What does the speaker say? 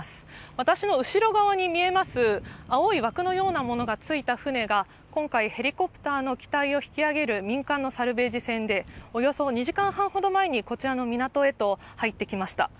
私の後ろ側に見えます、青い枠のようなものがついた船が、今回、ヘリコプターの機体を引き揚げる民間のサルベージ船で、およそ２時間半ほど前にこちらの港へと入ってきました。